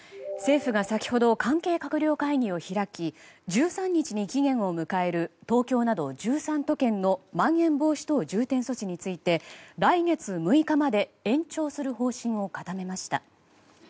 政府は先ほど関係閣僚会議を開き１３日に期限を迎える東京など１３都県のまん延防止等重点措置について来月６日まで延長する方針を固めました。